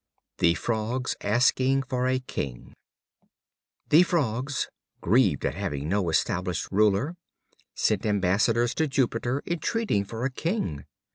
The Frogs Asking for a King. The Frogs, grieved at having no established Ruler, sent ambassadors to Jupiter entreating for a King.